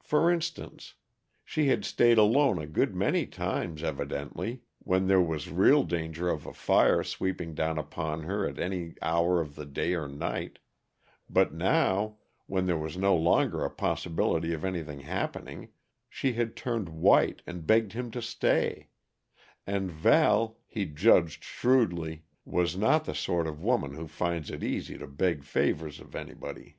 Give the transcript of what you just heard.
For instance, she had stayed alone a good many times, evidently, when there was real danger of a fire sweeping down upon her at any hour of the day or night; but now, when there was no longer a possibility of anything happening, she had turned white and begged him to stay and Val, he judged shrewdly, was not the sort of woman who finds it easy to beg favors of anybody.